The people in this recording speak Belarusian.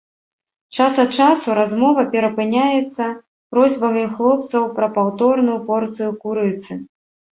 Час ад часу размова перапыняецца просьбамі хлопцаў пра паўторную порцыю курыцы.